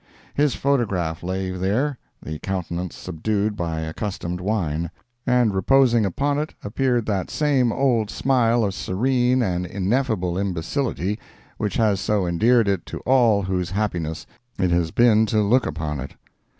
His photograph lay there, the countenance subdued by accustomed wine, and reposing upon it appeared that same old smile of serene and ineffable imbecility which has so endeared it to all whose happiness it has been to look upon it.